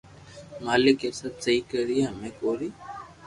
مالڪ اي سب سھي ڪرئي ھمي اوري